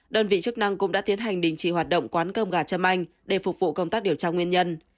đơn vị chức năng cũng đã tiến hành đình chỉ hoạt động quán cơm gà châm anh để phục vụ công tác điều tra nguyên nhân